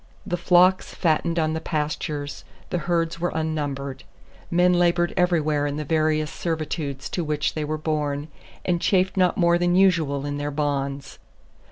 The flocks fattened on the pastures, the herds were unnumbered. Men labored everywhere in the various servitudes to which they were born, and chafed not more than usual in their bonds.